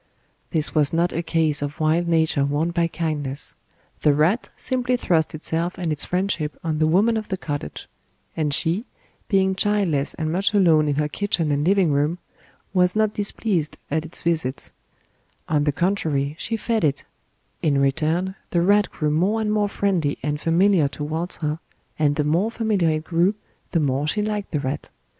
This was not a case of "wild nature won by kindness"; the rat simply thrust itself and its friendship on the woman of the cottage: and she, being childless and much alone in her kitchen and living room, was not displeased at its visits: on the contrary, she fed it; in return the rat grew more and more friendly and familiar towards her, and the more familiar it grew, the more she liked the rat.